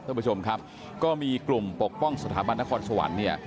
ท่านผู้ชมครับก็มีกลุ่มปกป้องสถาบันนครสวรรค์เนี่ย